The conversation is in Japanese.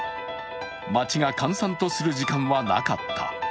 街が閑散とする時間はなかった。